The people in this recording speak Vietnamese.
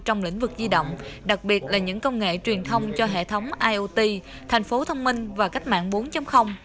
trong lĩnh vực di động đặc biệt là những công nghệ truyền thông cho hệ thống iot thành phố thông minh và cách mạng bốn